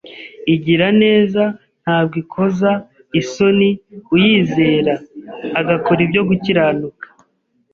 igira neza ntabwo ikoza isoni uyizera agakora ibyo gukiranuka